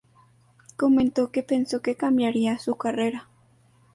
Comentó que pensó que cambiaría su carrera.